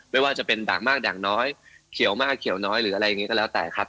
ไม่ว่าจะเป็นด่างมากด่างน้อยเขียวมากเขียวน้อยหรืออะไรอย่างนี้ก็แล้วแต่ครับ